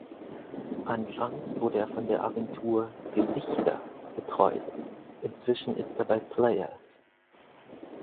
Anfangs wurde er von der Agentur "Gesichter" betreut, inzwischen ist er bei "Players".